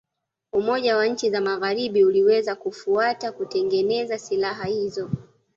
Umoja wa nchi za Magharibi uliweza kufuata kutengeneza silaha hizo